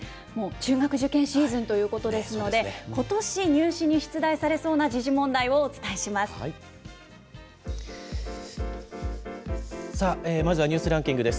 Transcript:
中学受験シーズンということですので、ことし、入試に出題されそうな時事問題をお伝えしままずはニュースランキングです。